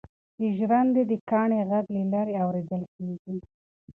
د ژرندې د کاڼي غږ له لیرې اورېدل کېږي.